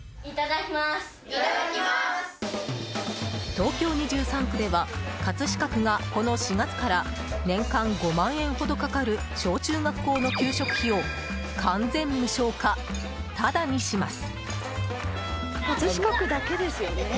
東京２３区では葛飾区がこの４月から年間５万円ほどかかる小中学校の給食費を完全無償化、タダにします。